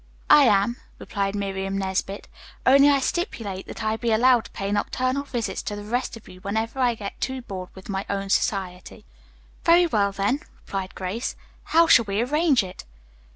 "I am," replied Miriam Nesbit, "only I stipulate that I be allowed to pay nocturnal visits to the rest of you whenever I get too bored with my own society." "Very well, then," replied Grace. "How shall we arrange it?"